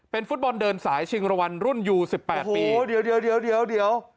เป็นฟุตบอลเดินสายชิงรวรรณรุ่นยูสิบแปดปีโอ้โหเดี๋ยวเดี๋ยวเดี๋ยวเดี๋ยว